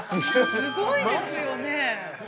◆すごいですよね！